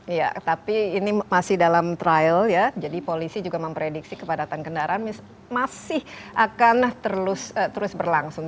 iya tapi ini masih dalam trial ya jadi polisi juga memprediksi kepadatan kendaraan masih akan terus berlangsung